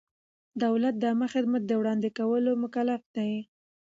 دولت د عامه خدمت د وړاندې کولو مکلف دی.